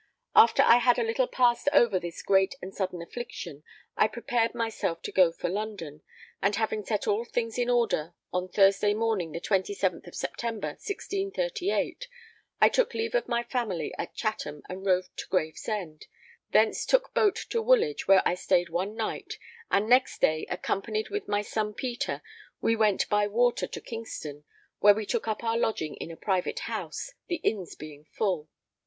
After I had a little passed over this great and sudden affliction, I prepared myself to go for London; and having set all things in order, on Thursday morning, the 27th of September, 1638, I took leave of my family at Chatham and rode to Gravesend, thence took boat to Woolwich where I stayed one night, and next day, accompanied with my son Peter, we went by water to Kingston, where we took up our lodging in a private house, the inns being full.